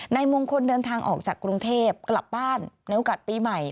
นายมงคลเดินทางออกจากกรุงเทพกลับบ้านในโอกาสปีใหม่